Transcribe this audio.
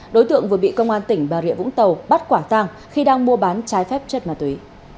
đối tượng vừa bị công an tỉnh bà rịa vũng tàu bắt quả tàng khi đang mua bán trái phép chất ma túy